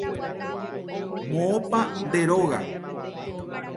Moõpa nde róga.